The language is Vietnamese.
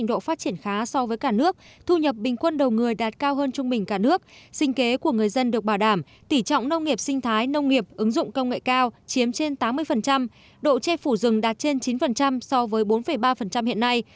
nghị quyết đã đưa ra một trình độ phát triển khá so với cả nước thu nhập bình quân đầu người đạt cao hơn trung bình cả nước sinh kế của người dân được bảo đảm tỉ trọng nông nghiệp sinh thái nông nghiệp ứng dụng công nghệ cao chiếm trên tám mươi độ che phủ rừng đạt trên chín so với bốn ba hiện nay